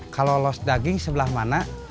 kalau loss daging sebelah mana